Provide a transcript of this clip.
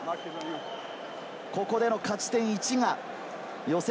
ここでの勝ち点１が予選